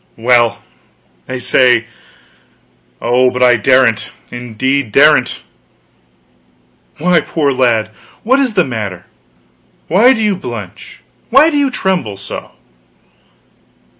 "Well, they say oh, but I daren't, indeed daren't!" "Why, poor lad, what is the matter? Why do you blench? Why do you tremble so?"